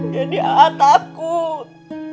jadi aa takut